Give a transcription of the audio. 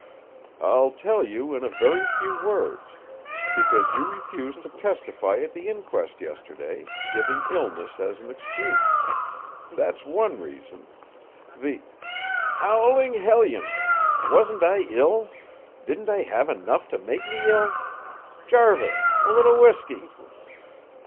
"Ill tell you in a very few words: because you refused to testify at the inquest yesterday, giving illness as an excuse. That's one reason. The " "Howling helions! Wasn't I ill? Didn't I have enough to make me ill? Jarvis, a little whiskey!"